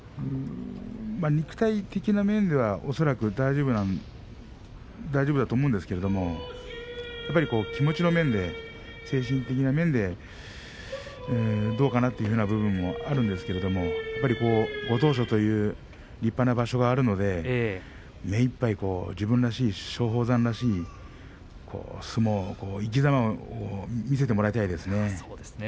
肉体的な面では恐らく大丈夫だと思うんですけれどもやっぱり気持ちの面で精神的な面でどうかなという部分もあるんですけれどもご当所という立派な場所があるので目いっぱい、自分らしい松鳳山らしい相撲を生きざまを見せてもらいたいですね。